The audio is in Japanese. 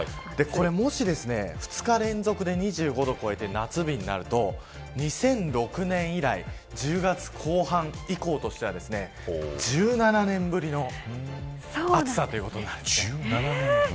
もしこれが２日連続で２５度を超えて夏日になると２００６年以来１０月後半、以降としては１７年ぶりの暑さということになります。